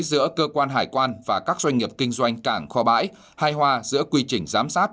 giữa cơ quan hải quan và các doanh nghiệp kinh doanh cảng kho bãi hài hòa giữa quy trình giám sát